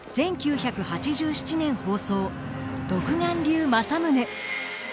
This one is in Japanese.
１９８７年放送「独眼竜政宗」。